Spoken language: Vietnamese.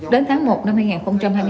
đến tháng một năm hai nghìn hai mươi hai